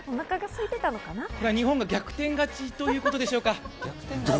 日本が逆転勝ちということでしょうか？